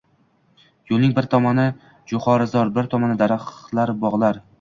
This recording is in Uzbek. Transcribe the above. Yo`lning bir tomoni jo`xorizor, bir tomoni daraxtlar, bog`lar